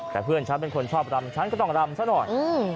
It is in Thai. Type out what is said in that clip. แต่เพื่อนฉันเป็นคนชอบรำฉันก็ต้องรำซะหน่อย